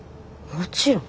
もちろん。